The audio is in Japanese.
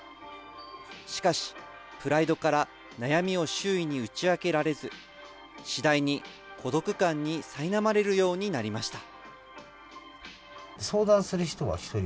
しかし、プライドから悩みを周囲に打ち明けられず、次第に孤独感にさいなまれるようになりました。